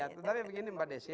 tapi begini mbak desi